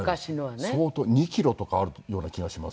相当２キロとかあるような気がします。